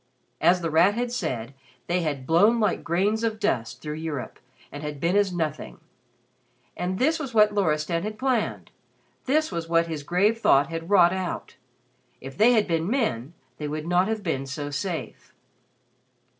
As The Rat had said, they had "blown like grains of dust" through Europe and had been as nothing. And this was what Loristan had planned, this was what his grave thought had wrought out. If they had been men, they would not have been so safe.